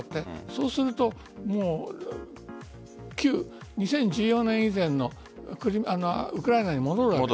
そうすると２０１４年以前のウクライナに戻る。